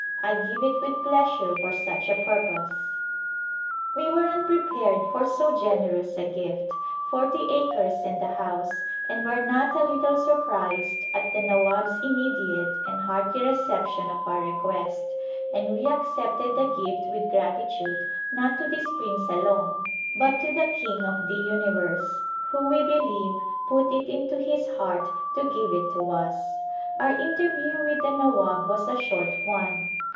I give it with pleasure for such a purpose." We were unprepared for so generous a gift — forty A Visit to the Hills acres and a house — and were not a little surprised at the Nawab's immediate and hearty reception of our request, and we accepted the gift with gratitude not to this prince alone, but to the King of the Universe, who, we believe, put it into his heart to give it to us. Our interview with the Nawab was a short one.